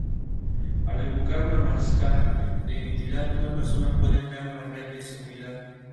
Al evocar una máscara de identidad, una persona puede crear una red de seguridad.